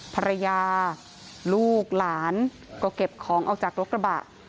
ภรรยาลูกหลานก็เก็บของออกจากรถกระบะ